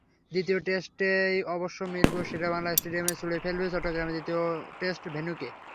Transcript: দ্বিতীয় টেস্টেই অবশ্য মিরপুর শেরেবাংলা স্টেডিয়াম ছুঁয়ে ফেলবে চট্টগ্রামের দ্বিতীয় টেস্ট ভেন্যুকে।